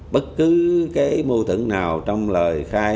bất cứ cái mưu tử nào trong lời khai